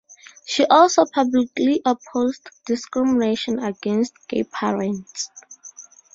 She also publicly opposed discrimination against gay parents.